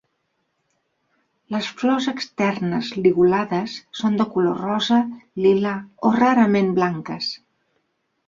Les flors externes ligulades són de color rosa, lila o rarament blanques.